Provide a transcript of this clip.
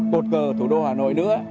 cột cờ thủ đô hà nội nữa